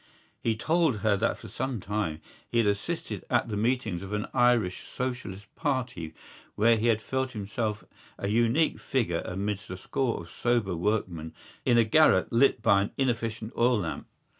He told her that for some time he had assisted at the meetings of an Irish Socialist Party where he had felt himself a unique figure amidst a score of sober workmen in a garret lit by an inefficient oil lamp.